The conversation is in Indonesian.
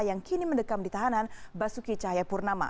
yang kini mendekam di tahanan basuki cahaya purnama